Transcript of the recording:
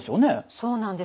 そうなんです。